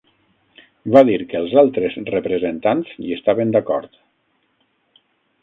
Va dir que els altres representants hi estaven d'acord.